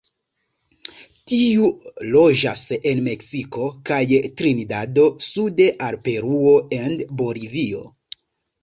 Tiu loĝas el Meksiko kaj Trinidado sude al Peruo and Bolivio.